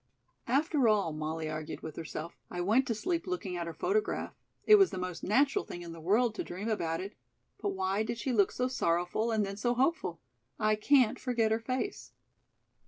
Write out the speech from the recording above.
"After all," Molly argued with herself, "I went to sleep looking at her photograph. It was the most natural thing in the world to dream about it. But why did she look so sorrowful and then so hopeful? I can't forget her face."